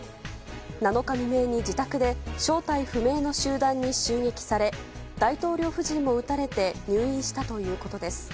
７日未明に自宅で正体不明の集団に襲撃され大統領夫人も撃たれて入院したということです。